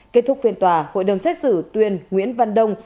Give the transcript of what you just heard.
kết thúc phiên tòa hội đồng xét xử tuyên nguyễn văn đông